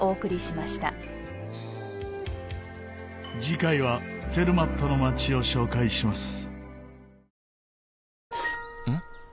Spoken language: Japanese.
次回はツェルマットの街を紹介します。